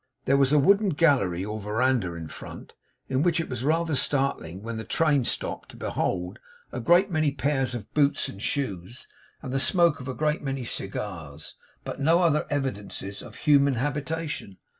There was a wooden gallery or verandah in front, in which it was rather startling, when the train stopped, to behold a great many pairs of boots and shoes, and the smoke of a great many cigars, but no other evidences of human habitation.